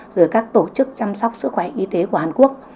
rồi các tổ chức chăm sóc sức khỏe y tế của hàn quốc